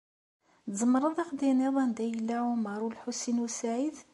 Tzemreḍ ad aɣ-d-tiniḍ anda yella Ɛumaṛ n Lḥusin u Saɛid?